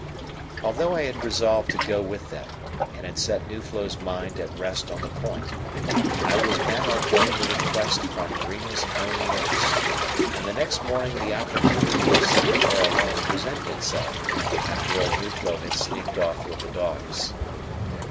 Although I had resolved to go with them, and had set Nuflo's mind at rest on the point, I was bent on getting the request from Rima's own lips; and the next morning the opportunity of seeing her alone presented itself, after old Nuflo had sneaked off with his dogs.